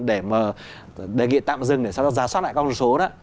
để tạm dừng để giả soát lại con số đó